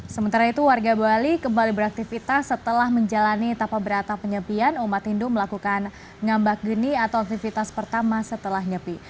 sementara itu warga bali kembali beraktivitas setelah menjalani tapa berata penyepian umat hindu melakukan ngambak geni atau aktivitas pertama setelah nyepi